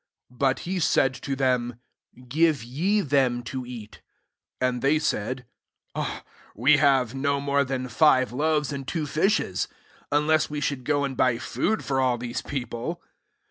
'' IS But he said to them, " Give ye them to eat." And they said, "We have no more than five loaves and' two fishes ; unless we should go and buy food for all this people.''